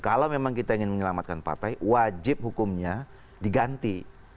kalau memang kita ingin menyelamatkan partai wajib hukumnya diganti